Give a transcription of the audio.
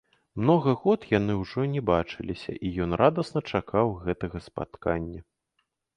Многа год яны ўжо не бачыліся, і ён радасна чакаў гэтага спаткання.